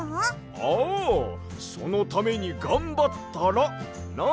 ああそのためにがんばったらな！